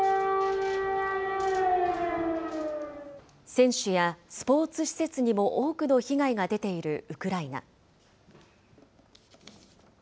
選手やスポーツ施設にも多くの被害が出ているウクライナ。